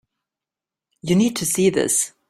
You need to see this.